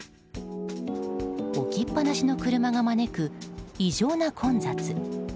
置きっぱなしの車が招く異常な混雑。